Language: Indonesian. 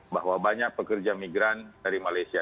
bahwa banyak pekerja migran dari malaysia